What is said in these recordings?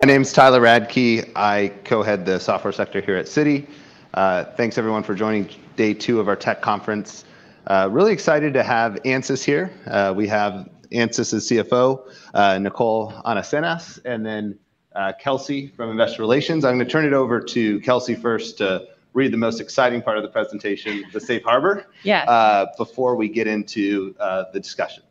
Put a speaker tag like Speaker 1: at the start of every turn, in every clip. Speaker 1: My name is Tyler Radke. I co-head the software sector here at Citi. Thanks everyone for joining day two of our tech conference. Really excited to have Ansys here. We have Ansys' CFO, Nicole Anasenes, and then, Kelsey from Investor Relations. I'm gonna turn it over to Kelsey first to read the most exciting part of the presentation, the Safe Harbor-
Speaker 2: Yeah.
Speaker 1: Before we get into the discussion.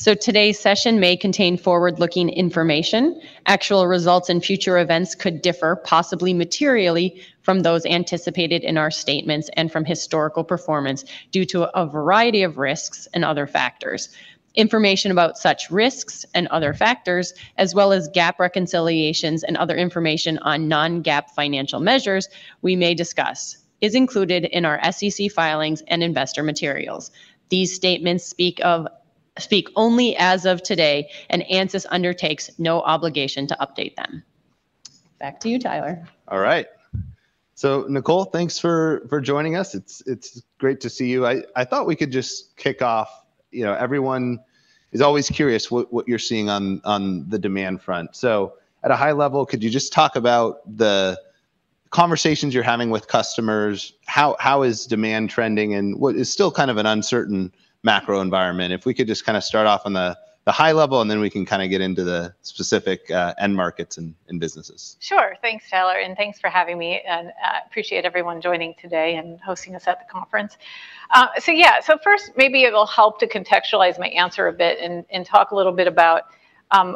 Speaker 2: So today's session may contain forward-looking information. Actual results and future events could differ, possibly materially, from those anticipated in our statements and from historical performance due to a variety of risks and other factors. Information about such risks and other factors, as well as GAAP reconciliations and other information on non-GAAP financial measures we may discuss, is included in our SEC filings and investor materials. These statements speak only as of today, and Ansys undertakes no obligation to update them. Back to you, Tyler.
Speaker 1: All right. So Nicole, thanks for joining us. It's great to see you. I thought we could just kick off... You know, everyone is always curious what you're seeing on the demand front. So at a high level, could you just talk about the conversations you're having with customers? How is demand trending, and what. It's still kind of an uncertain macro environment. If we could just kind of start off on the high level, and then we can kind of get into the specific end markets and businesses.
Speaker 3: Sure. Thanks, Tyler, and thanks for having me, and, appreciate everyone joining today and hosting us at the conference. So yeah, so first, maybe it'll help to contextualize my answer a bit and, and talk a little bit about,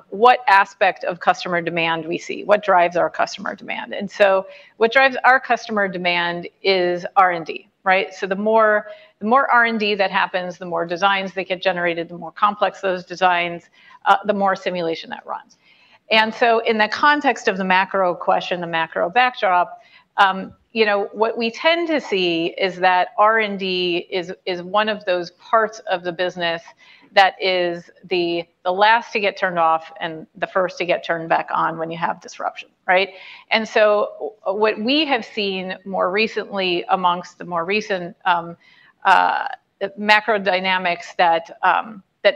Speaker 3: what aspect of customer demand we see, what drives our customer demand. And so what drives our customer demand is R&D, right? So the more, the more R&D that happens, the more designs that get generated, the more complex those designs, the more simulation that runs. And so in the context of the macro question, the macro backdrop, you know, what we tend to see is that R&D is, is one of those parts of the business that is the, the last to get turned off and the first to get turned back on when you have disruption, right? And so what we have seen more recently among the more recent macro dynamics that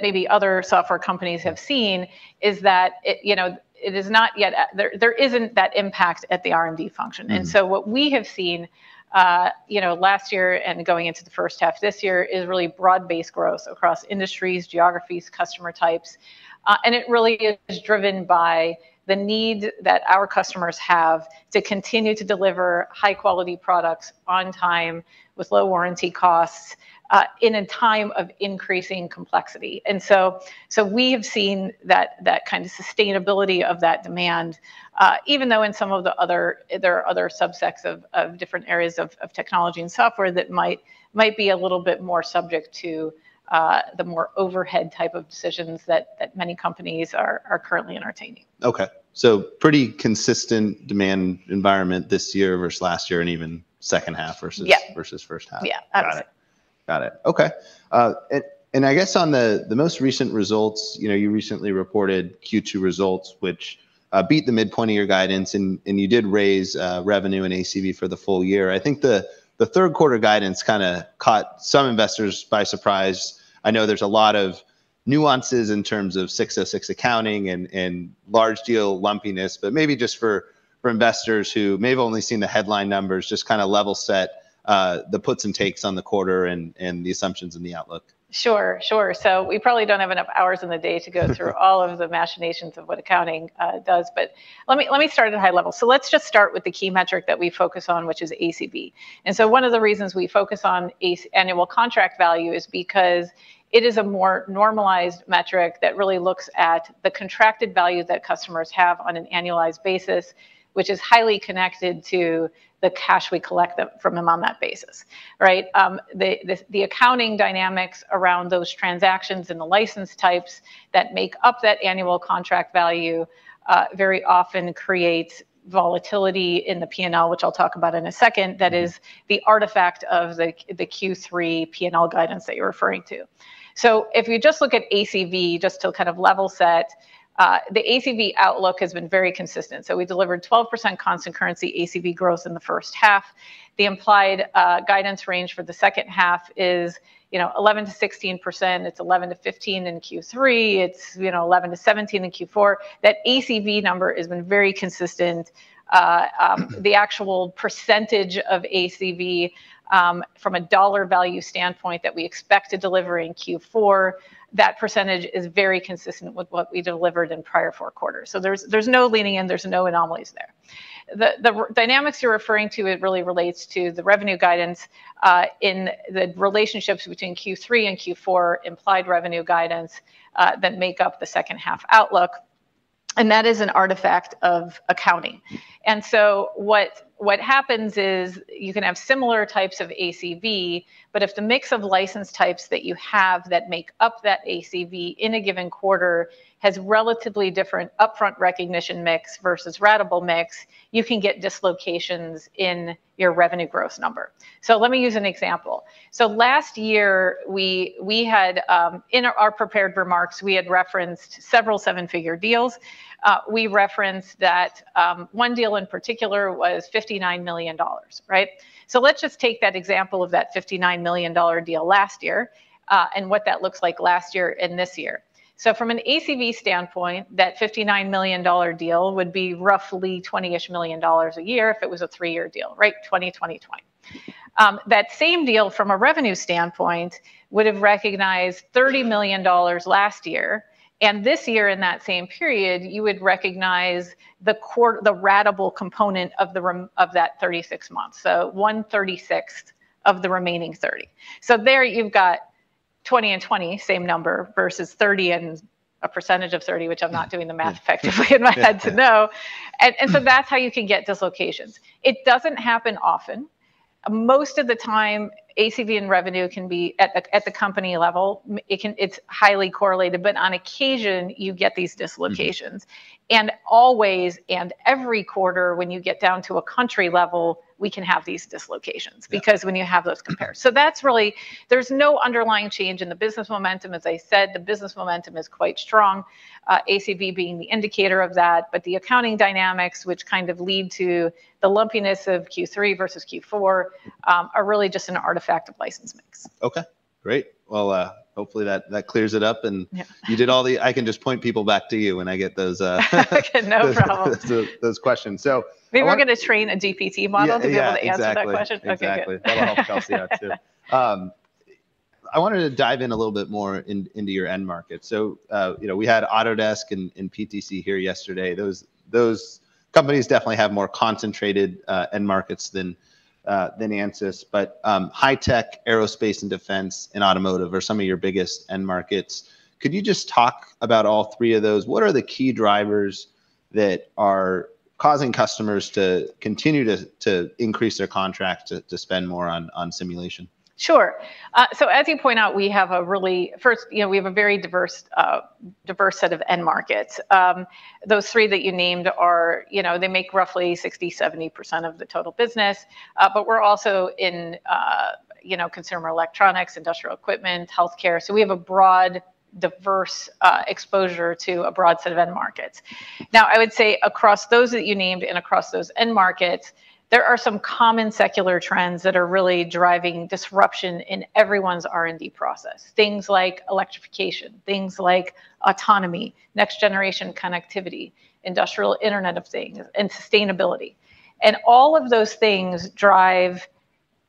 Speaker 3: maybe other software companies have seen is that it, you know, it is not yet—there, there isn't that impact at the R&D function.
Speaker 1: Mm-hmm.
Speaker 3: And so what we have seen, you know, last year and going into the first half this year, is really broad-based growth across industries, geographies, customer types. And it really is driven by the need that our customers have to continue to deliver high-quality products on time with low warranty costs, in a time of increasing complexity. And so we've seen that kind of sustainability of that demand, even though in some of the other, there are other subsets of different areas of technology and software that might be a little bit more subject to the more overhead type of decisions that many companies are currently entertaining.
Speaker 1: Okay. So pretty consistent demand environment this year versus last year, and even second half versus-
Speaker 3: Yeah...
Speaker 1: versus first half.
Speaker 3: Yeah, absolutely.
Speaker 1: Got it. Got it. Okay, and, and I guess on the, the most recent results, you know, you recently reported Q2 results, which beat the midpoint of your guidance, and, and you did raise revenue and ACV for the full year. I think the, the third quarter guidance kinda caught some investors by surprise. I know there's a lot of nuances in terms of 606 accounting and, and large deal lumpiness, but maybe just for, for investors who may have only seen the headline numbers, just kind of level set the puts and takes on the quarter and, and the assumptions in the outlook.
Speaker 3: Sure, sure. We probably don't have enough hours in the day to go through all of the machinations of what accounting does, but let me start at a high level. Let's just start with the key metric that we focus on, which is ACV. One of the reasons we focus on ACV, annual contract value, is because it is a more normalized metric that really looks at the contracted value that customers have on an annualized basis, which is highly connected to the cash we collect from them on that basis, right? The accounting dynamics around those transactions and the license types that make up that annual contract value very often creates volatility in the P&L, which I'll talk about in a second. That is the artifact of the Q3 P&L guidance that you're referring to. So if you just look at ACV, just to kind of level set, the ACV outlook has been very consistent. So we delivered 12% constant currency ACV growth in the first half. The implied guidance range for the second half is, you know, 11%-16%. It's 11%-15% in Q3. It's, you know, 11%-17% in Q4. That ACV number has been very consistent.
Speaker 1: Mm-hmm.
Speaker 3: The actual percentage of ACV from a dollar value standpoint that we expect to deliver in Q4, that percentage is very consistent with what we delivered in prior four quarters. So there's no leaning in, there's no anomalies there. The dynamics you're referring to, it really relates to the revenue guidance in the relationships between Q3 and Q4 implied revenue guidance that make up the second half outlook, and that is an artifact of accounting. And so what happens is, you can have similar types of ACV, but if the mix of license types that you have that make up that ACV in a given quarter has relatively different upfront recognition mix versus ratable mix, you can get dislocations in your revenue growth number. So let me use an example. So last year, we had in our prepared remarks, we had referenced several seven-figure deals. We referenced that one deal in particular was $59 million, right? So let's just take that example of that $59 million deal last year, and what that looks like last year and this year. So from an ACV standpoint, that $59 million deal would be roughly $20-ish million a year if it was a 3-year deal, right? 20, 20, 20. That same deal from a revenue standpoint would have recognized $30 million last year, and this year in that same period, you would recognize the ratable component of that 36 months. So 1/36 of the remaining $30 million. So there you've got 20 and 20, same number, versus 30 and a percentage of 30, which I'm not doing the math effectively in my head to know. So that's how you can get dislocations. It doesn't happen often. Most of the time, ACV and revenue can be at the company level. It's highly correlated, but on occasion, you get these dislocations.
Speaker 1: Mm-hmm.
Speaker 3: Always and every quarter, when you get down to a country level, we can have these dislocations-
Speaker 1: Yeah...
Speaker 3: because when you have those compares. So that's really. There's no underlying change in the business momentum. As I said, the business momentum is quite strong, ACV being the indicator of that, but the accounting dynamics, which kind of lead to the lumpiness of Q3 versus Q4, are really just an artifact of license mix.
Speaker 1: Okay, great. Well, hopefully that, that clears it up, and-
Speaker 3: Yeah.
Speaker 1: you did all the... I can just point people back to you when I get those.
Speaker 3: Okay, no problem.
Speaker 1: those questions. So I want-
Speaker 3: Maybe we're gonna train a GPT model-
Speaker 1: Yeah, yeah, exactly....
Speaker 3: to be able to answer that question.
Speaker 1: Exactly.
Speaker 3: Okay, good.
Speaker 1: That'll help Kelsey out, too. I wanted to dive in a little bit more into your end market. So, you know, we had Autodesk and PTC here yesterday. Those companies definitely have more concentrated end markets than Ansys, but high tech, aerospace and defense, and automotive are some of your biggest end markets. Could you just talk about all three of those? What are the key drivers that are causing customers to continue to increase their contract to spend more on simulation?
Speaker 3: Sure. So as you point out, we have a really... First, you know, we have a very diverse, diverse set of end markets. Those three that you named are, you know, they make roughly 60-70% of the total business. But we're also in, you know, consumer electronics, industrial equipment, healthcare. So we have a broad, diverse, exposure to a broad set of end markets. Now, I would say across those that you named and across those end markets, there are some common secular trends that are really driving disruption in everyone's R&D process. Things like electrification, things like autonomy, next-generation connectivity, Industrial Internet of Things, and sustainability. And all of those things drive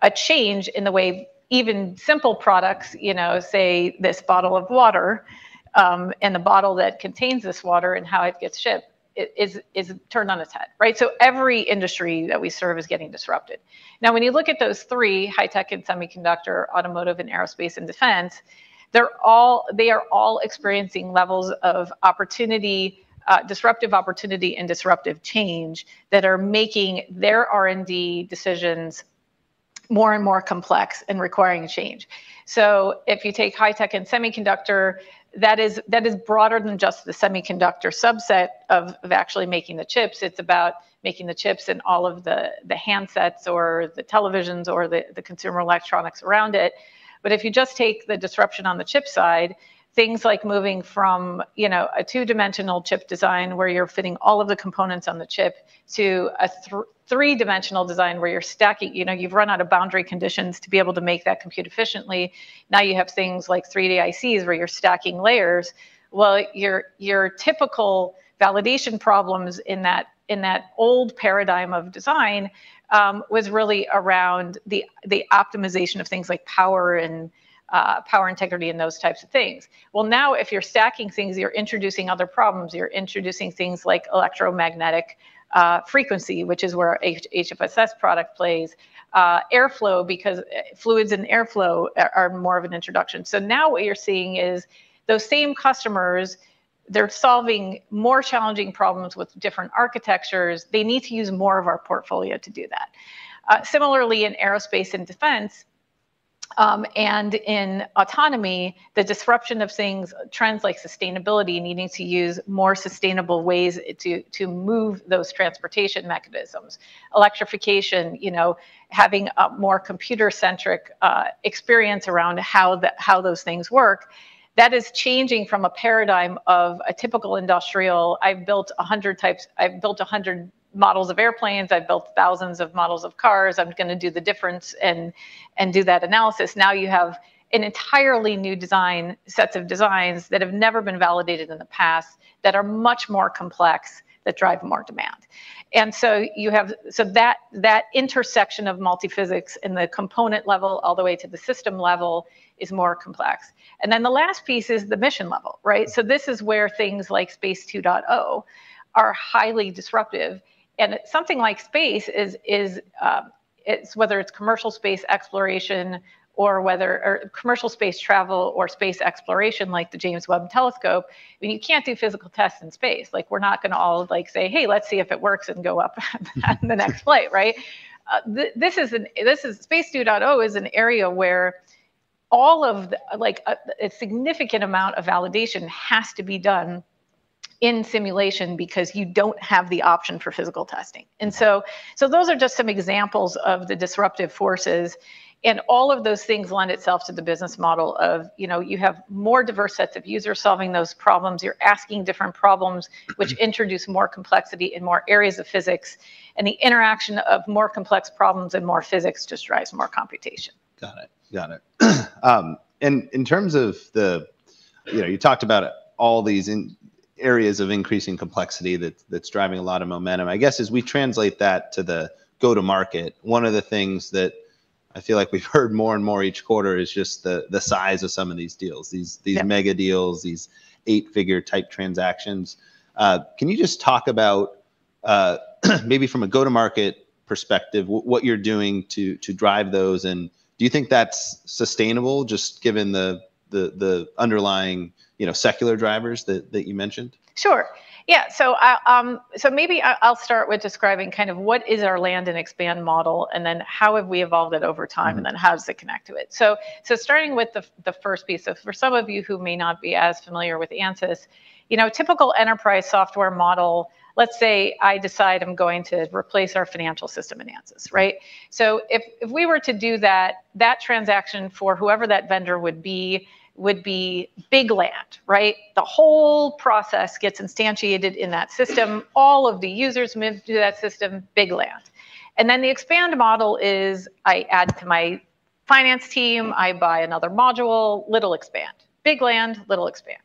Speaker 3: a change in the way even simple products, you know, say, this bottle of water, and the bottle that contains this water and how it gets shipped, it is turned on its head, right? So every industry that we serve is getting disrupted. Now, when you look at those three, high tech and semiconductor, automotive, and aerospace and defense, they are all experiencing levels of opportunity, disruptive opportunity and disruptive change that are making their R&D decisions more and more complex and requiring a change. So if you take high tech and semiconductor, that is broader than just the semiconductor subset of actually making the chips. It's about making the chips and all of the handsets or the televisions or the consumer electronics around it. But if you just take the disruption on the chip side, things like moving from, you know, a two-dimensional chip design, where you're fitting all of the components on the chip, to a three-dimensional design, where you're stacking... You know, you've run out of boundary conditions to be able to make that compute efficiently. Now, you have things like 3D ICs, where you're stacking layers. Well, your typical validation problems in that old paradigm of design was really around the optimization of things like power and power integrity and those types of things. Well, now, if you're stacking things, you're introducing other problems. You're introducing things like electromagnetic frequency, which is where HFSS product plays. Airflow, because fluids and airflow are more of an introduction. So now what you're seeing is those same customers, they're solving more challenging problems with different architectures. They need to use more of our portfolio to do that. Similarly in aerospace and defense, and in autonomy, the disruption of things, trends like sustainability, needing to use more sustainable ways to move those transportation mechanisms. Electrification, you know, having a more computer-centric experience around how those things work, that is changing from a paradigm of a typical industrial, "I've built 100 types—I've built 100 models of airplanes. I've built thousands of models of cars. I'm gonna do the difference and do that Ansys." Now, you have an entirely new design, sets of designs, that have never been validated in the past, that are much more complex, that drive more demand. So that intersection of multiphysics in the component level, all the way to the system level, is more complex. And then the last piece is the mission level, right? So this is where things like Space 2.0 are highly disruptive. And something like space, it's whether it's commercial space exploration or commercial space travel or space exploration, like the James Webb Space Telescope, I mean, you can't do physical tests in space. Like, we're not gonna all, like, say, "Hey, let's see if it works," and go up on the next flight, right? This is Space 2.0 is an area where all of the, like, a significant amount of validation has to be done in simulation because you don't have the option for physical testing. And so, those are just some examples of the disruptive forces, and all of those things lend itself to the business model of, you know, you have more diverse sets of users solving those problems. You're asking different problems, which introduce more complexity in more areas of physics, and the interaction of more complex problems and more physics just drives more computation.
Speaker 1: Got it. Got it. And in terms of the, you know, you talked about all these areas of increasing complexity that's driving a lot of momentum. I guess as we translate that to the go-to-market, one of the things that I feel like we've heard more and more each quarter is just the size of some of these deals, these-
Speaker 3: Yeah...
Speaker 1: these mega deals, these eight-figure type transactions. Can you just talk about, maybe from a go-to-market perspective, what you're doing to drive those, and do you think that's sustainable just given the underlying, you know, secular drivers that you mentioned?
Speaker 3: Sure. Yeah, so maybe I'll start with describing kind of what is our land and expand model, and then how have we evolved it over time-
Speaker 1: Mm-hmm...
Speaker 3: and then how does it connect to it? So, starting with the first piece, so for some of you who may not be as familiar with Ansys, you know, a typical enterprise software model, let's say, I decide I'm going to replace our financial system in Ansys, right? So if, if we were to do that, that transaction for whoever that vendor would be, would be big land, right? The whole process gets instantiated in that system, all of the users move to that system, big land. And then the expand model is, I add to my finance team, I buy another module, little expand. Big land, little expand.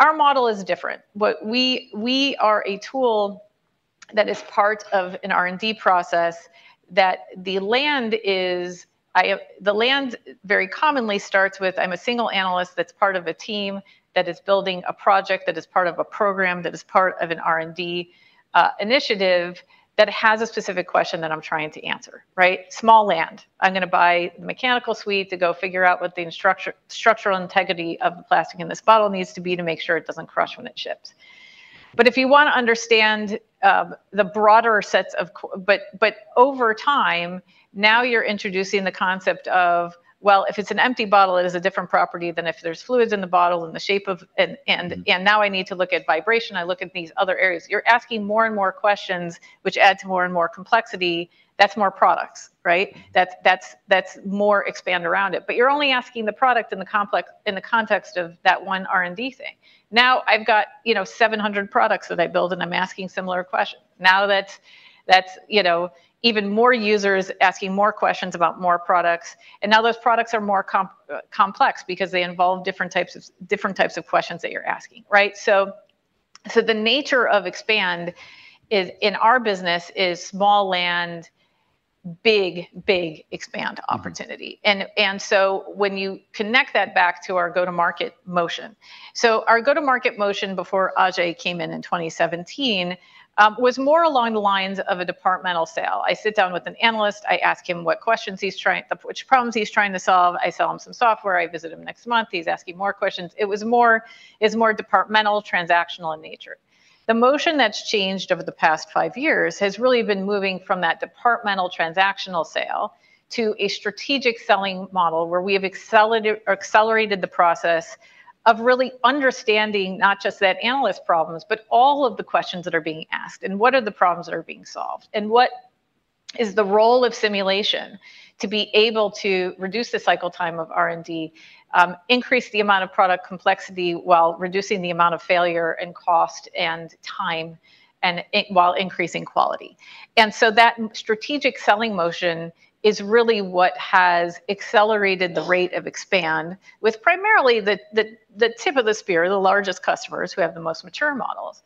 Speaker 3: Our model is different. What we are a tool that is part of an R&D process, that the land is... I, the land very commonly starts with, I'm a single analyst that's part of a team, that is building a project, that is part of a program, that is part of an R&D initiative, that has a specific question that I'm trying to answer, right? Small land. I'm gonna buy the mechanical suite to go figure out what the structural integrity of the plastic in this bottle needs to be to make sure it doesn't crush when it ships. But if you wanna understand, the broader but, but over time, now you're introducing the concept of, well, if it's an empty bottle, it is a different property than if there's fluids in the bottle and the shape of, and.
Speaker 1: Mm-hmm...
Speaker 3: and now I need to look at vibration, I look at these other areas. You're asking more and more questions, which add to more and more complexity, that's more products, right? That's, that's more expand around it. But you're only asking the product in the complex- in the context of that one R&D thing. Now, I've got, you know, 700 products that I build, and I'm asking similar questions. Now, that's, you know, even more users asking more questions about more products, and now those products are more complex because they involve different types of questions that you're asking, right? So, the nature of expand is, in our business, is small land, big, big expand opportunity.
Speaker 1: Mm-hmm.
Speaker 3: So when you connect that back to our go-to-market motion. So our go-to-market motion before Ajei came in in 2017 was more along the lines of a departmental sale. I sit down with an analyst, I ask him which problems he's trying to solve, I sell him some software, I visit him next month, he's asking more questions. It was more, it's more departmental, transactional in nature. The motion that's changed over the past five years has really been moving from that departmental transactional sale to a strategic selling model, where we have accelerated the process of really understanding not just that analyst's problems, but all of the questions that are being asked, and what are the problems that are being solved, and what is the role of simulation to be able to reduce the cycle time of R&D, increase the amount of product complexity, while reducing the amount of failure and cost and time, while increasing quality. That strategic selling motion is really what has accelerated the rate of expand, with primarily the tip of the spear, the largest customers who have the most mature models.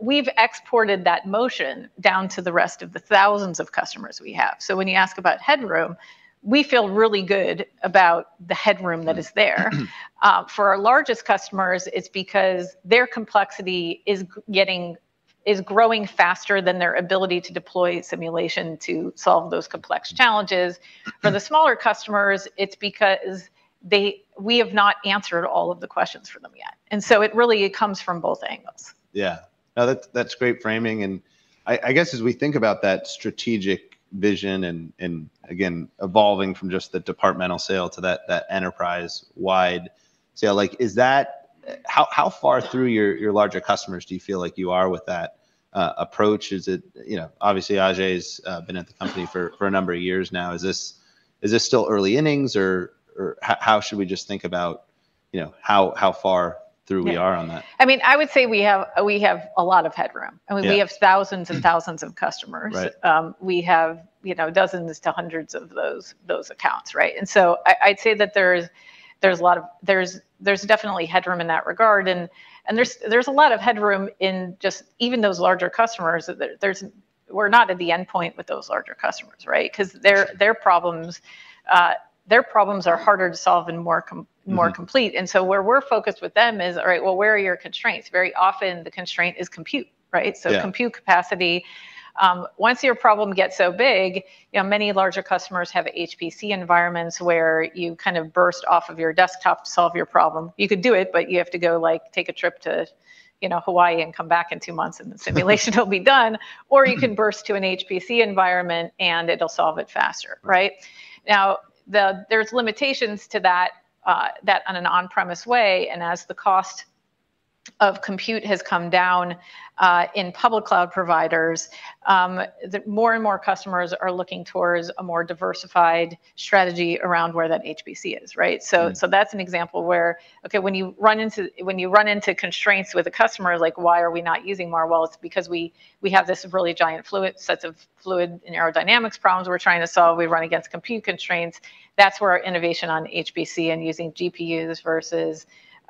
Speaker 3: We've exported that motion down to the rest of the thousands of customers we have. When you ask about headroom, we feel really good about the headroom that is there.
Speaker 1: Mm-hmm.
Speaker 3: For our largest customers, it's because their complexity is growing faster than their ability to deploy simulation to solve those complex challenges. For the smaller customers, it's because we have not answered all of the questions for them yet. And so it really, it comes from both angles.
Speaker 1: Yeah. No, that's great framing, and I guess as we think about that strategic vision and again, evolving from just the departmental sale to that enterprise-wide sale, like, how far through your larger customers do you feel like you are with that approach? Is it... You know, obviously, Ajei's been at the company for a number of years now. Is this still early innings, or how should we just think about, you know, how far through we are on that?
Speaker 3: Yeah. I mean, I would say we have, we have a lot of headroom.
Speaker 1: Yeah.
Speaker 3: I mean, we have thousands and thousands of customers.
Speaker 1: Right.
Speaker 3: We have, you know, dozens to hundreds of those, those accounts, right? And so I, I'd say that there's, there's a lot of, there's, there's definitely headroom in that regard, and, and there's, there's a lot of headroom in just even those larger customers, that there, there's, we're not at the endpoint with those larger customers, right?
Speaker 1: Sure.
Speaker 3: 'Cause their problems are harder to solve and more com-
Speaker 1: Mm-hmm...
Speaker 3: more complete. And so where we're focused with them is, all right, well, where are your constraints? Very often, the constraint is compute, right?
Speaker 1: Yeah.
Speaker 3: So compute capacity. Once your problem gets so big, you know, many larger customers have HPC environments, where you kind of burst off of your desktop to solve your problem. You could do it, but you have to go, like, take a trip to, you know, Hawaii and come back in two months, and the simulation will be done.
Speaker 1: Mm-hmm.
Speaker 3: Or you can burst to an HPC environment, and it'll solve it faster, right? Now, there's limitations to that, that on an on-premise way, and as the cost of compute has come down, in public cloud providers, the more and more customers are looking towards a more diversified strategy around where that HPC is, right?
Speaker 1: Mm-hmm.
Speaker 3: So, so that's an example where, okay, when you run into, when you run into constraints with a customer, like, why are we not using more? Well, it's because we, we have this really giant fluid, sets of fluid and aerodynamics problems we're trying to solve. We run against compute constraints. That's where our innovation on HPC and using GPUs versus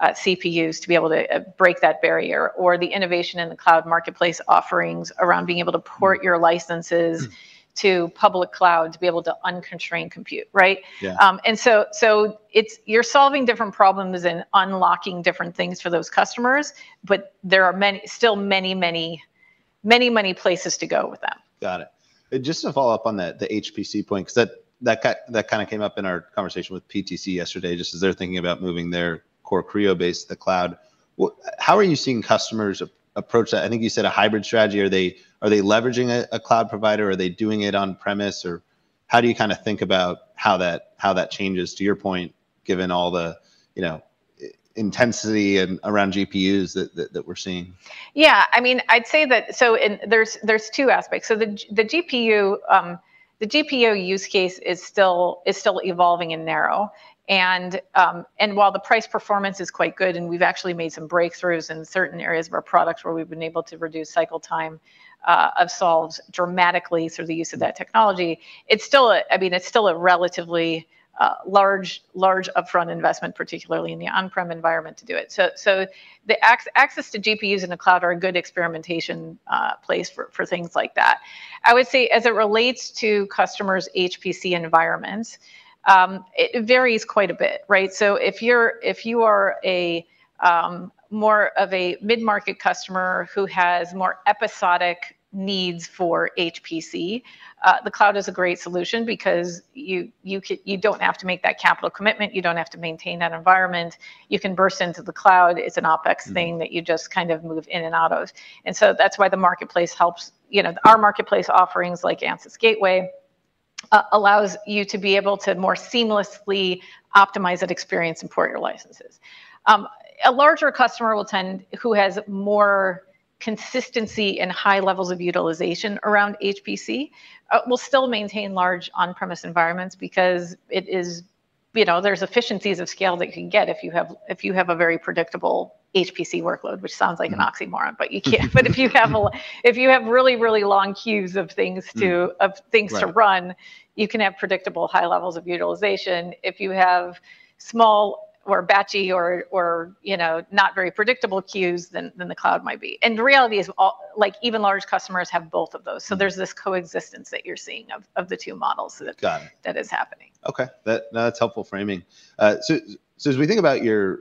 Speaker 3: CPUs to be able to break that barrier, or the innovation in the cloud marketplace offerings around being able to port your licenses to public cloud to be able to unconstrain compute, right?
Speaker 1: Yeah.
Speaker 3: So, you're solving different problems and unlocking different things for those customers, but there are many, still many, many, many, many places to go with that.
Speaker 1: Got it. Just to follow up on that, the HPC point, 'cause that kind of came up in our conversation with PTC yesterday, just as they're thinking about moving their core Creo base to the cloud. What, how are you seeing customers approach that? I think you said a hybrid strategy. Are they leveraging a cloud provider, or are they doing it on-premise, or how do you kind of think about how that changes, to your point, given all the, you know, intensity around GPUs that we're seeing?
Speaker 3: Yeah, I mean, I'd say that. So there's two aspects. So the GPU use case is still evolving and narrow. And while the price performance is quite good, and we've actually made some breakthroughs in certain areas of our products where we've been able to reduce cycle time of solves dramatically through the use of that technology, it's still a relatively large upfront investment, particularly in the on-prem environment, to do it. So the access to GPUs in the cloud are a good experimentation place for things like that. I would say, as it relates to customers' HPC environments, it varies quite a bit, right? So if you are a more of a mid-market customer who has more episodic needs for HPC, the cloud is a great solution because you don't have to make that capital commitment, you don't have to maintain that environment, you can burst into the cloud. It's an OpEx thing-
Speaker 1: Mm...
Speaker 3: that you just kind of move in and out of. And so that's why the marketplace helps, you know, our marketplace offerings, like Ansys Gateway, allows you to be able to more seamlessly optimize that experience and port your licenses. A larger customer will tend, who has more consistency and high levels of utilization around HPC, will still maintain large on-premise environments because it is, you know, there's efficiencies of scale that you can get if you have, if you have a very predictable HPC workload, which sounds like an oxymoron.
Speaker 1: Mm.
Speaker 3: But you can, but if you have really, really long queues of things to-
Speaker 1: Mm.
Speaker 3: of things to run
Speaker 1: Right...
Speaker 3: you can have predictable high levels of utilization. If you have small or batchy or, you know, not very predictable queues, then the cloud might be. And the reality is all, like, even large customers have both of those.
Speaker 1: Mm.
Speaker 3: So there's this coexistence that you're seeing of, of the two models-
Speaker 1: Got it...
Speaker 3: that is happening.
Speaker 1: Okay, that, that's helpful framing. So as we think about your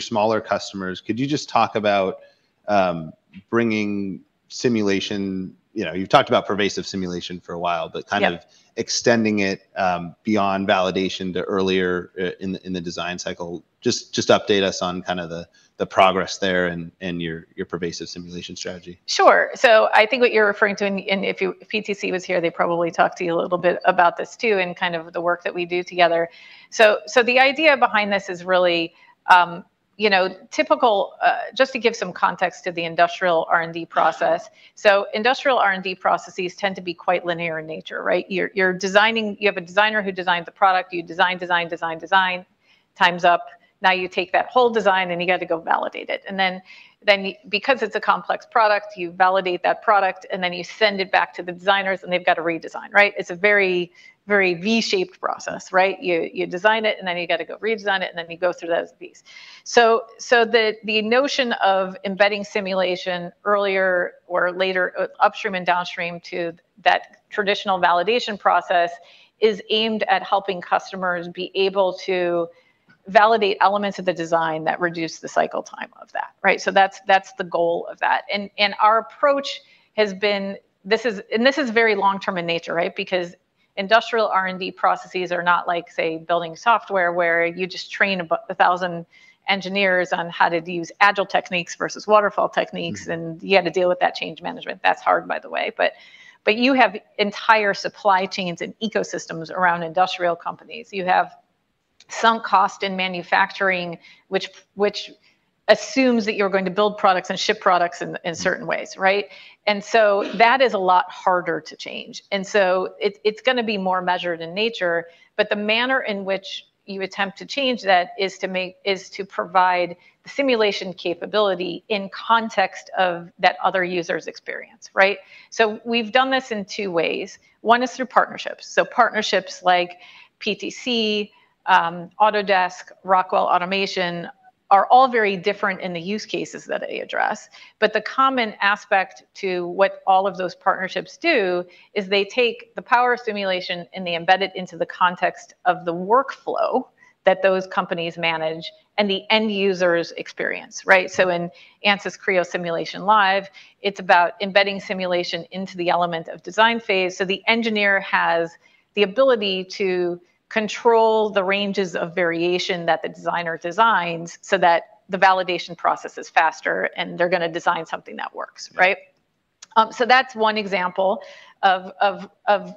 Speaker 1: smaller customers, could you just talk about bringing simulation, you know, you've talked about pervasive simulation for a while, but kind of-
Speaker 3: Yeah...
Speaker 1: extending it beyond validation to earlier in the design cycle. Just update us on kind of the progress there and your pervasive simulation strategy.
Speaker 3: Sure. So I think what you're referring to, and if PTC was here, they'd probably talk to you a little bit about this too, and kind of the work that we do together. So the idea behind this is really, you know, typical. Just to give some context to the industrial R&D process, so industrial R&D processes tend to be quite linear in nature, right? You're designing- you have a designer who designs the product, you design, design, design, design, time's up. Now you take that whole design, and you got to go validate it. And then, because it's a complex product, you validate that product, and then you send it back to the designers, and they've got to redesign, right? It's a very, very V-shaped process, right? You, you design it, and then you got to go redesign it, and then you go through those Cs. So, the notion of embedding simulation earlier or later, upstream and downstream to that traditional validation process is aimed at helping customers be able to validate elements of the design that reduce the cycle time of that, right? So that's the goal of that. And our approach has been, this is - and this is very long-term in nature, right? Because industrial R&D processes are not like, say, building software, where you just train 1,000 engineers on how to use agile techniques versus waterfall techniques -
Speaker 1: Mm...
Speaker 3: and you had to deal with that change management. That's hard, by the way. But you have entire supply chains and ecosystems around industrial companies. You have sunk cost in manufacturing, which assumes that you're going to build products and ship products in certain ways, right? And so that is a lot harder to change. And so it's gonna be more measured in nature, but the manner in which you attempt to change that is to make- is to provide the simulation capability in context of that other user's experience, right? So we've done this in two ways. One is through partnerships. So partnerships like PTC, Autodesk, Rockwell Automation, are all very different in the use cases that they address, but the common aspect to what all of those partnerships do is they take the power of simulation, and they embed it into the context of the workflow that those companies manage and the end user's experience, right? So in Ansys Creo Simulation Live, it's about embedding simulation into the element of design phase, so the engineer has the ability to control the ranges of variation that the designer designs so that the validation process is faster, and they're gonna design something that works, right?
Speaker 1: Mm.
Speaker 3: So that's one example of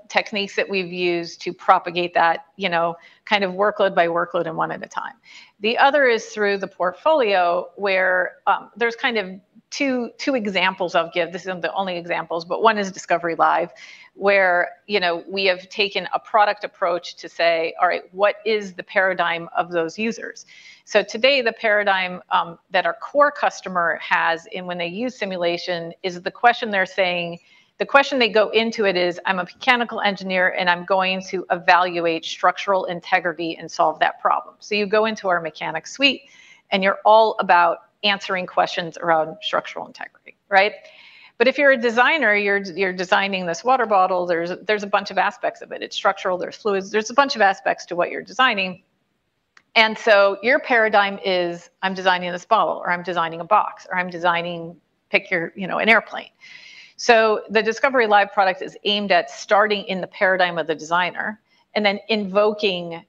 Speaker 3: techniques that we've used to propagate that, you know, kind of workload by workload and one at a time. The other is through the portfolio, where there's kind of two examples I'll give. This isn't the only examples, but one is Discovery Live, where, you know, we have taken a product approach to say, "All right, what is the paradigm of those users?" So today, the paradigm that our core customer has in when they use simulation is the question they're saying, the question they go into it is: I'm a mechanical engineer, and I'm going to evaluate structural integrity and solve that problem. So you go into our mechanical suite, and you're all about answering questions around structural integrity, right? But if you're a designer, you're designing this water bottle, there's a bunch of aspects of it. It's structural, there's fluids, there's a bunch of aspects to what you're designing. And so your paradigm is, I'm designing this bottle, or I'm designing a box, or I'm designing, pick your, you know, an airplane. So the Discovery Live product is aimed at starting in the paradigm of the designer and then invoking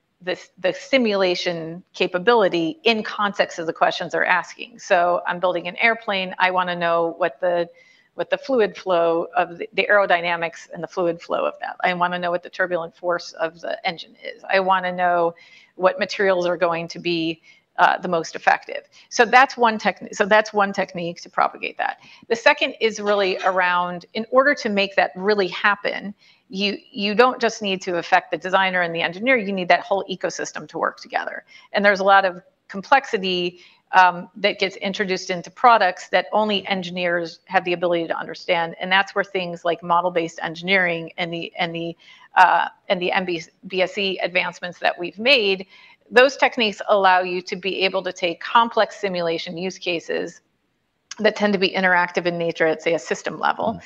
Speaker 3: the simulation capability in context of the questions they're asking. So I'm building an airplane, I wanna know what the fluid flow of the aerodynamics and the fluid flow of that. I wanna know what the turbulent force of the engine is. I wanna know what materials are going to be the most effective. So that's one technique to propagate that. The second is really around, in order to make that really happen, you, you don't just need to affect the designer and the engineer, you need that whole ecosystem to work together. There's a lot of complexity that gets introduced into products that only engineers have the ability to understand, and that's where things like model-based engineering and the MBSE advancements that we've made, those techniques allow you to be able to take complex simulation use cases that tend to be interactive in nature at, say, a system level,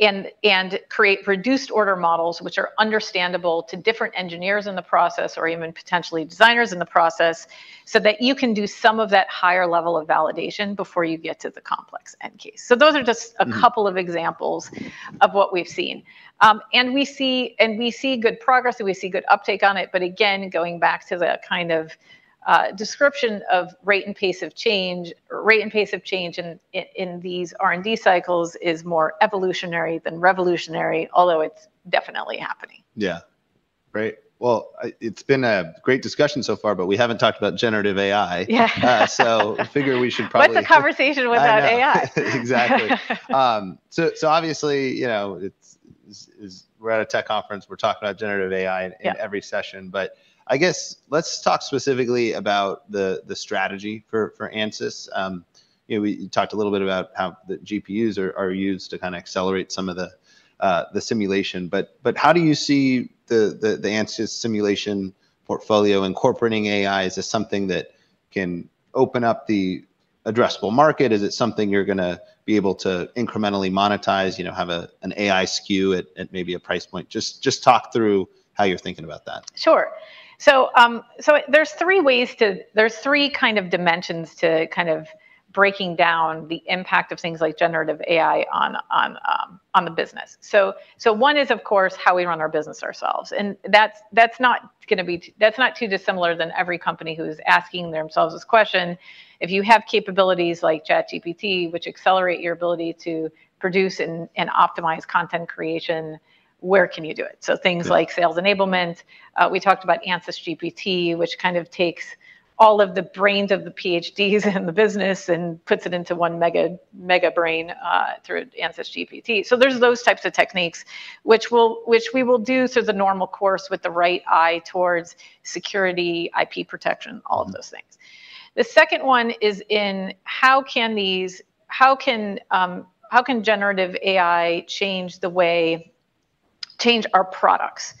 Speaker 3: and create reduced order models, which are understandable to different engineers in the process or even potentially designers in the process, so that you can do some of that higher level of validation before you get to the complex end case. Those are just-
Speaker 1: Mm-hmm.
Speaker 3: A couple of examples of what we've seen. And we see, and we see good progress, and we see good uptake on it, but again, going back to the kind of description of rate and pace of change, rate and pace of change in these R&D cycles is more evolutionary than revolutionary, although it's definitely happening.
Speaker 1: Yeah. Great. Well, it's been a great discussion so far, but we haven't talked about generative AI.
Speaker 3: Yeah.
Speaker 1: So, I figure we should probably-
Speaker 3: What's a conversation without AI?
Speaker 1: I know. Exactly. So obviously, you know, this is—we're at a tech conference, we're talking about Generative AI-
Speaker 3: Yeah...
Speaker 1: in every session. But I guess let's talk specifically about the strategy for Ansys. You know, we talked a little bit about how the GPUs are used to kinda accelerate some of the simulation, but how do you see the Ansys simulation portfolio incorporating AI? Is this something that can open up the addressable market? Is it something you're gonna be able to incrementally monetize, you know, have an AI SKU at maybe a price point? Just talk through how you're thinking about that.
Speaker 3: Sure. So, there's three kind of dimensions to kind of breaking down the impact of things like Generative AI on the business. So, one is, of course, how we run our business ourselves, and that's not gonna be-- that's not too dissimilar than every company who's asking themselves this question: If you have capabilities like ChatGPT, which accelerate your ability to produce and optimize content creation, where can you do it?
Speaker 1: Yeah.
Speaker 3: So things like sales enablement, we talked about AnsysGPT, which kind of takes all of the brains of the PhDs in the business and puts it into one mega, mega brain, through AnsysGPT. So there's those types of techniques which we will do through the normal course with the right eye towards security, IP protection-
Speaker 1: Mm-hmm...
Speaker 3: all of those things. The second one is, how can Generative AI change our products?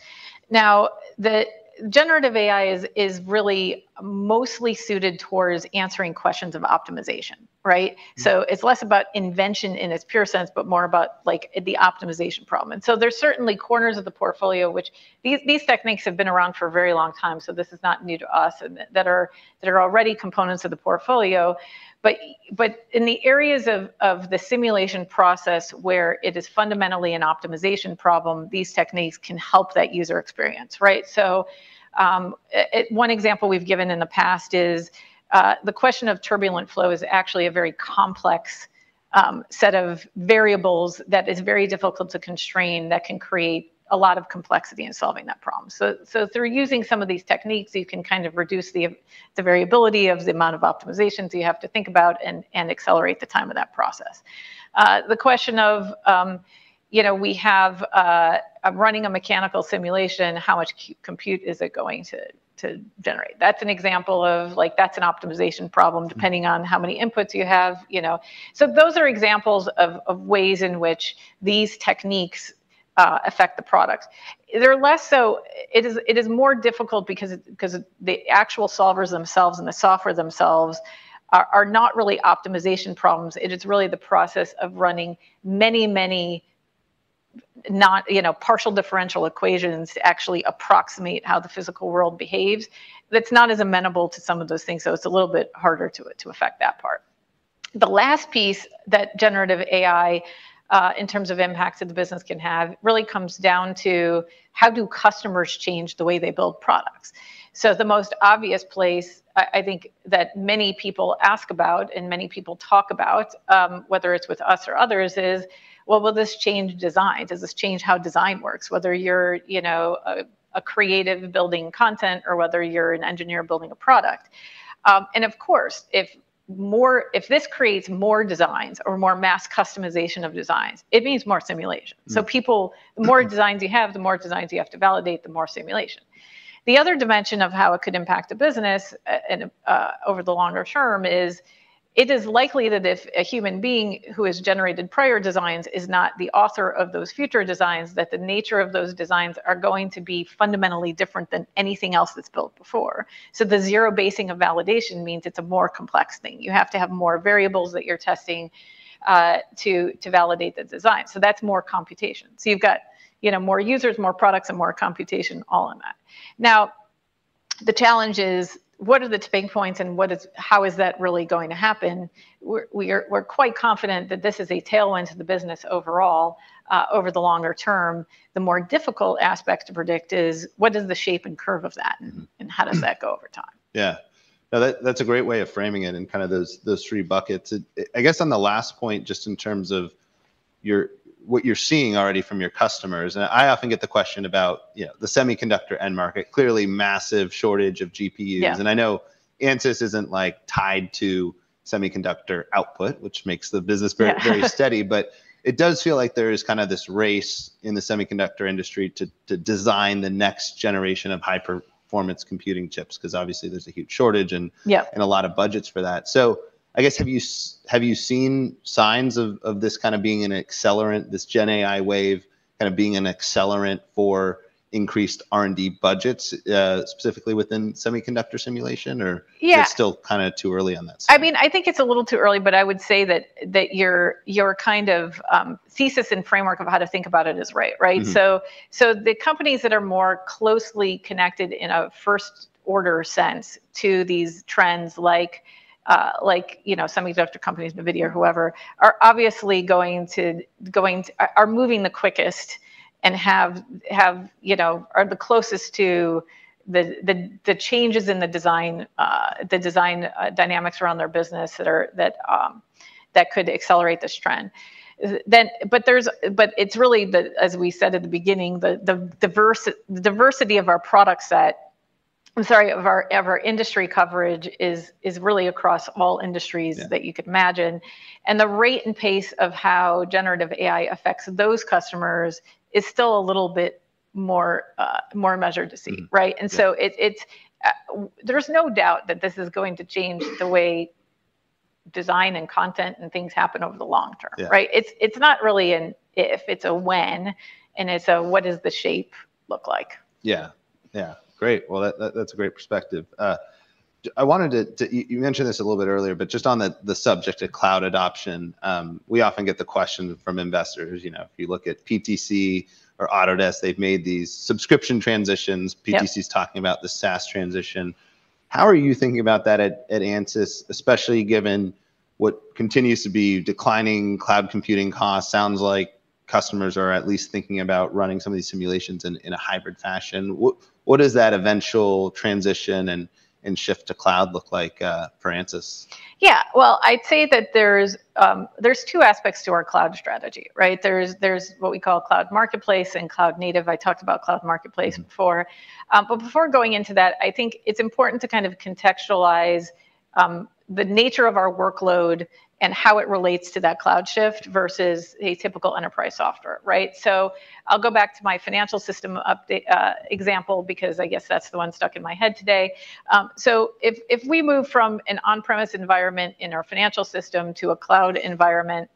Speaker 3: Now, the Generative AI is really mostly suited towards answering questions of optimization, right?
Speaker 1: Mm-hmm.
Speaker 3: So it's less about invention in its pure sense, but more about, like, the optimization problem. And so there's certainly corners of the portfolio which these techniques have been around for a very long time, so this is not new to us, and that are already components of the portfolio. But in the areas of the simulation process where it is fundamentally an optimization problem, these techniques can help that user experience, right? So, one example we've given in the past is the question of turbulent flow is actually a very complex set of variables that is very difficult to constrain, that can create a lot of complexity in solving that problem. So through using some of these techniques, you can kind of reduce the variability of the amount of optimizations you have to think about and accelerate the time of that process. The question of, you know, we have running a mechanical simulation, how much compute is it going to generate? That's an example of, like, that's an optimization problem-
Speaker 1: Mm-hmm...
Speaker 3: depending on how many inputs you have, you know. So those are examples of ways in which these techniques affect the product. They're less so. It is more difficult because the actual solvers themselves and the software themselves are not really optimization problems. It is really the process of running many, many, you know, partial differential equations to actually approximate how the physical world behaves. That's not as amenable to some of those things, so it's a little bit harder to affect that part. The last piece that Generative AI in terms of impacts that the business can have, really comes down to: How do customers change the way they build products? So the most obvious place I think that many people ask about and many people talk about, whether it's with us or others, is: Well, will this change design? Does this change how design works, whether you're, you know, a creative building content or whether you're an engineer building a product? And of course, if this creates more designs or more mass customization of designs, it means more simulation.
Speaker 1: Mm-hmm.
Speaker 3: So, people, the more designs you have, the more designs you have to validate, the more simulation. The other dimension of how it could impact a business and over the longer term is, it is likely that if a human being who has generated prior designs is not the author of those future designs, that the nature of those designs are going to be fundamentally different than anything else that's built before. So the zero basing of validation means it's a more complex thing. You have to have more variables that you're testing to validate the design, so that's more computation. So you've got, you know, more users, more products, and more computation, all in that. Now, the challenge is, what are the tipping points and what is, how is that really going to happen? We're quite confident that this is a tailwind to the business overall, over the longer term. The more difficult aspect to predict is what is the shape and curve of that-
Speaker 1: Mm-hmm.
Speaker 3: How does that go over time?
Speaker 1: Yeah. Now, that, that's a great way of framing it in kind of those, those three buckets. It, I guess on the last point, just in terms of your, what you're seeing already from your customers, and I often get the question about, you know, the semiconductor end market. Clearly, massive shortage of GPUs.
Speaker 3: Yeah.
Speaker 1: I know Ansys isn't, like, tied to semiconductor output, which makes the business very-
Speaker 3: Yeah...
Speaker 1: very steady, but it does feel like there is kind of this race in the semiconductor industry to, to design the next generation of high-performance computing chips, 'cause obviously, there's a huge shortage and-
Speaker 3: Yeah...
Speaker 1: and a lot of budgets for that. So I guess, have you seen signs of this kind of being an accelerant, this gen AI wave kind of being an accelerant for increased R&D budgets, specifically within semiconductor simulation, or-
Speaker 3: Yeah...
Speaker 1: it's still kinda too early on that side?
Speaker 3: I mean, I think it's a little too early, but I would say that your kind of thesis and framework of how to think about it is right, right?
Speaker 1: Mm-hmm.
Speaker 3: So, so the companies that are more closely connected in a first order sense to these trends, like, like, you know, some of these other companies, NVIDIA or whoever, are obviously going to, going to. Are, are moving the quickest and have, have, you know, are the closest to the, the, the changes in the design, the design, dynamics around their business that are, that, that could accelerate this trend. Then, but there's. But it's really the, as we said at the beginning, the, the diversity of our product set, I'm sorry, of our, of our industry coverage is, is really across all industries.
Speaker 1: Yeah...
Speaker 3: that you could imagine, and the rate and pace of how generative AI affects those customers is still a little bit more, more measured to see.
Speaker 1: Mm-hmm.
Speaker 3: Right?
Speaker 1: Yeah.
Speaker 3: And so it's, there's no doubt that this is going to change the way design and content and things happen over the long term.
Speaker 1: Yeah.
Speaker 3: Right? It's, it's not really an if, it's a when, and it's a what does the shape look like?
Speaker 1: Yeah. Yeah. Great. Well, that, that's a great perspective. I wanted to... You mentioned this a little bit earlier, but just on the subject of cloud adoption, we often get the question from investors, you know, if you look at PTC or Autodesk, they've made these subscription transitions.
Speaker 3: Yep.
Speaker 1: PTC's talking about the SaaS transition. How are you thinking about that at, at Ansys, especially given what continues to be declining cloud computing costs? Sounds like customers are at least thinking about running some of these simulations in, in a hybrid fashion. What, what does that eventual transition and, and shift to cloud look like, for Analsiys?
Speaker 3: Yeah. Well, I'd say that there's, there's two aspects to our cloud strategy, right? There's, there's what we call cloud marketplace and cloud native. I talked about cloud marketplace before.
Speaker 1: Mm-hmm.
Speaker 3: But before going into that, I think it's important to kind of contextualize the nature of our workload and how it relates to that cloud shift versus a typical enterprise software, right? So I'll go back to my financial system update example, because I guess that's the one stuck in my head today. So if we move from an on-premise environment in our financial system to a cloud environment,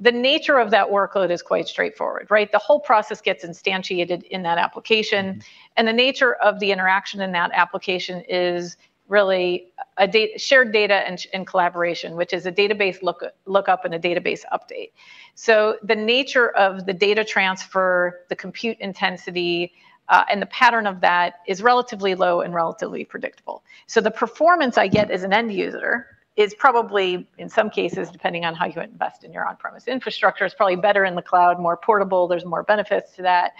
Speaker 3: the nature of that workload is quite straightforward, right? The whole process gets instantiated in that application-
Speaker 1: Mm-hmm...
Speaker 3: and the nature of the interaction in that application is really a shared data and change and collaboration, which is a database lookup and a database update. So the nature of the data transfer, the compute intensity, and the pattern of that is relatively low and relatively predictable. So the performance I get as an end user is probably, in some cases, depending on how you invest in your on-premise infrastructure, is probably better in the cloud, more portable, there's more benefits to that,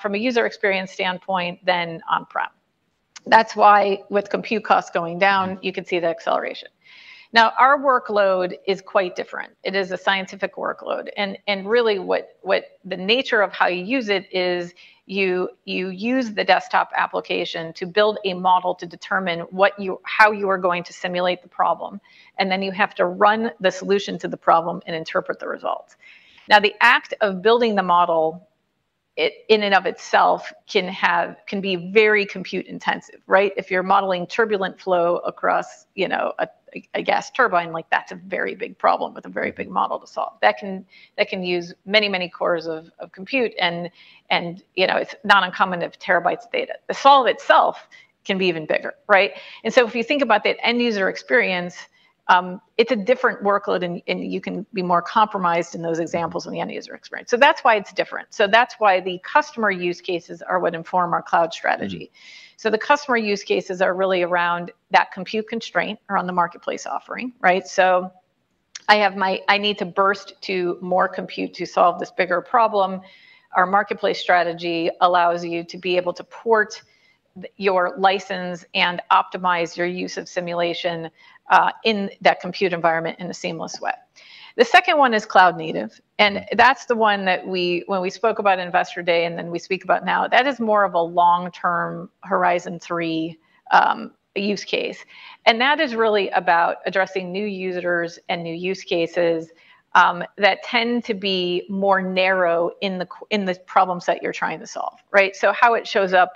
Speaker 3: from a user experience standpoint than on-prem. That's why with compute costs going down-
Speaker 1: Mm-hmm...
Speaker 3: you can see the acceleration. Now, our workload is quite different. It is a scientific workload, and really, what the nature of how you use it is you use the desktop application to build a model to determine how you are going to simulate the problem, and then you have to run the solution to the problem and interpret the results. Now, the act of building the model, in and of itself, can be very compute-intensive, right? If you're modeling turbulent flow across, you know, a gas turbine, like, that's a very big problem with a very big model to solve. That can use many cores of compute, and, you know, it's not uncommon to have terabytes of data. The solve itself can be even bigger, right? And so if you think about that end user experience, it's a different workload, and you can be more compromised in those examples in the end user experience. So that's why it's different. So that's why the customer use cases are what inform our cloud strategy.
Speaker 1: Mm-hmm.
Speaker 3: So the customer use cases are really around that compute constraint around the marketplace offering, right? So I have my... I need to burst to more compute to solve this bigger problem. Our marketplace strategy allows you to be able to port your license and optimize your use of simulation in that compute environment in a seamless way. The second one is cloud native, and that's the one that when we spoke about Investor Day, and then we speak about now, that is more of a long-term Horizon Three use case, and that is really about addressing new users and new use cases that tend to be more narrow in the in the problem set you're trying to solve, right? So how it shows up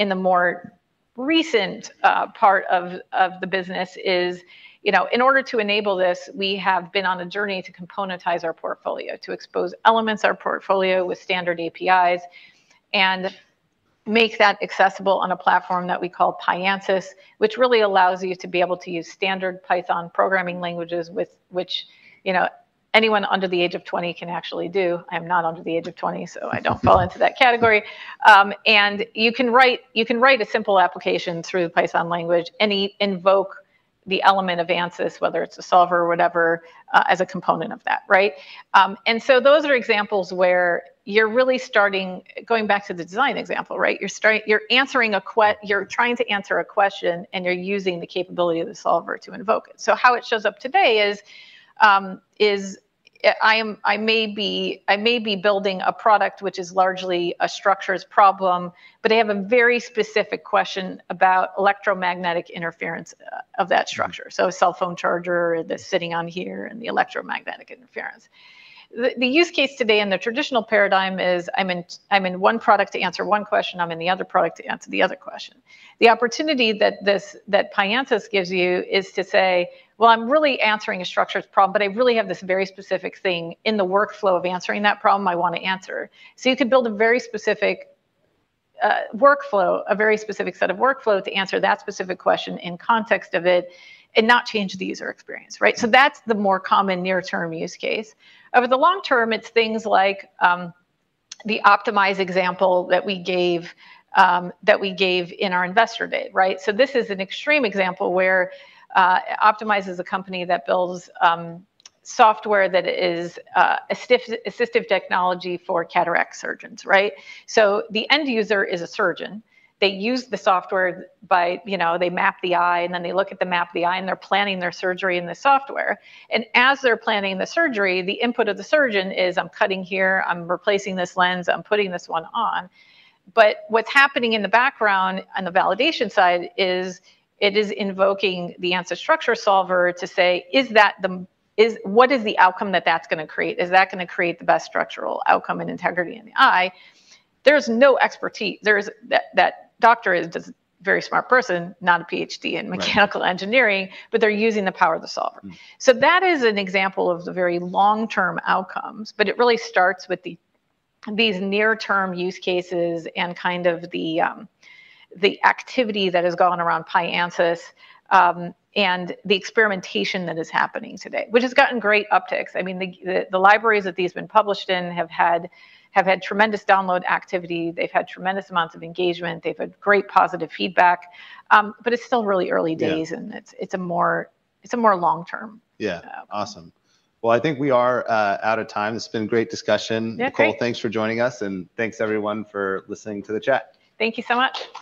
Speaker 3: in the more recent part of the business is, you know, in order to enable this, we have been on a journey to componentize our portfolio, to expose elements of our portfolio with standard APIs and make that accessible on a platform that we call PyAnsys, which really allows you to be able to use standard Python programming languages with which anyone under the age of 20 can actually do. I'm not under the age of 20, so I don't fall into that category. And you can write a simple application through the Python language, and invoke the element of Ansys, whether it's a solver or whatever, as a component of that, right? And so those are examples where you're really starting going back to the design example, right? You're trying to answer a question, and you're using the capability of the solver to invoke it. So how it shows up today is, I may be building a product which is largely a structures problem, but I have a very specific question about electromagnetic interference of that structure. So a cell phone charger that's sitting on here and the electromagnetic interference. The use case today in the traditional paradigm is I'm in one product to answer one question, I'm in the other product to answer the other question. The opportunity that PyAnsys gives you is to say: Well, I'm really answering a structures problem, but I really have this very specific thing in the workflow of answering that problem I want to answer. So you could build a very specific, workflow, a very specific set of workflow to answer that specific question in context of it and not change the user experience, right? So that's the more common near-term use case. Over the long term, it's things like, the optimized example that we gave, that we gave in our investor day, right? So this is an extreme example where, Optimeyes is a company that builds, software that is, assistive technology for cataract surgeons, right? So the end user is a surgeon. They use the software by, you know, they map the eye, and then they look at the map of the eye, and they're planning their surgery in the software. And as they're planning the surgery, the input of the surgeon is: I'm cutting here, I'm replacing this lens, I'm putting this one on. But what's happening in the background on the validation side is it is invoking the Ansys structural solver to say, what is the outcome that that's gonna create? Is that gonna create the best structural outcome and integrity in the eye? There's no expertise. That doctor is just a very smart person, not a PhD in mechanical engineering-
Speaker 1: Right.
Speaker 3: But they're using the power of the solver.
Speaker 1: Mm.
Speaker 3: So that is an example of the very long-term outcomes, but it really starts with these near-term use cases and kind of the activity that has gone around PyAnsys and the experimentation that is happening today, which has gotten great upticks. I mean, the libraries that these have been published in have had tremendous download activity. They've had tremendous amounts of engagement. They've had great positive feedback. But it's still really early days-
Speaker 1: Yeah.
Speaker 3: And it's a more long term.
Speaker 1: Yeah. Awesome. Well, I think we are out of time. It's been great discussion.
Speaker 3: Okay.
Speaker 1: Nicole, thanks for joining us, and thanks everyone for listening to the chat.
Speaker 3: Thank you so much.